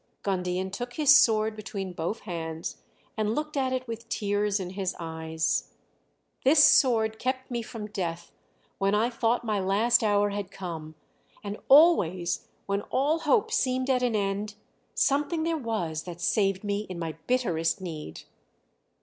Gundian took his sword between both hands, and looked at it with tears in his eyes: "This sword kept me from death when I thought my last hour had come, and always, when all hope seemed at an end, something there was that saved me in my bitterest need.